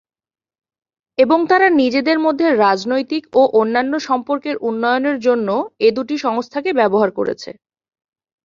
এবং তারা নিজেদের মধ্যে রাজনৈতিক এবং অন্যান্য সম্পর্কের উন্নয়নের জন্য এই দুটি সংস্থাকে ব্যবহার করেছে।